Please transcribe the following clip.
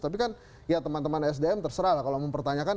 tapi kan ya teman teman sdm terserah lah kalau mempertanyakan